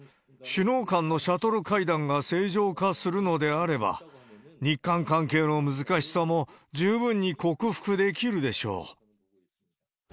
首脳間のシャトル会談が正常化するのであれば、日韓関係の難しさも十分に克服できるでしょう。